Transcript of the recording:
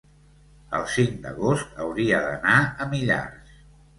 El cinc d'agost hauria d'anar a Millars.